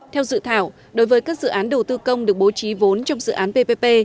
theo dự thảo đối với các dự án đầu tư công được bố trí vốn trong dự án ppp